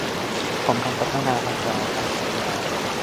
พร้อมทั้งพัฒนาทางเท้า ทางจักรยาน